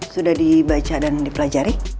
sudah dibaca dan dipelajari